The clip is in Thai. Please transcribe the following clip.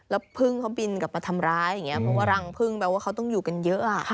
แล้วพึ่งเขาบินกลับมาทำร้ายอย่างนี้เพราะว่ารังพึ่งแปลว่าเขาต้องอยู่กันเยอะ